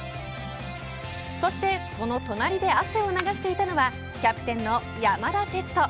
そして、その隣りで汗を流していたのはキャプテンの山田哲人。